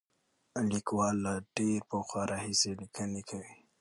لیکوال له ډېر پخوا راهیسې لیکنې کوي.